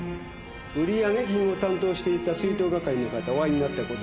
売り上げ金を担当していた出納係の方お会いになったことは？